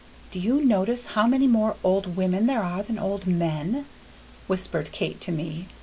"Do you notice how many more old women there are than old men?" whispered Kate to me.